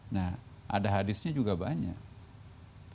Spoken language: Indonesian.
nah ada hadisnya juga banyak